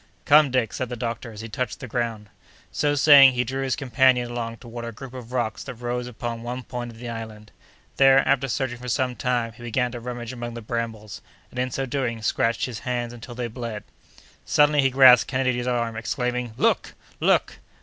"Come, Dick," said the doctor, as he touched the ground. So saying, he drew his companion along toward a group of rocks that rose upon one point of the island; there, after searching for some time, he began to rummage among the brambles, and, in so doing, scratched his hands until they bled. Suddenly he grasped Kennedy's arm, exclaiming: "Look! look!"